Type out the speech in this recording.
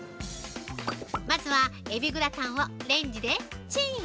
まずはエビグラタンをレンジでチン。